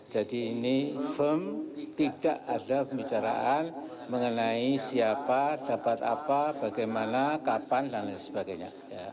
jadi ini firm tidak ada pembicaraan mengenai siapa dapat apa bagaimana kapan dan lain sebagainya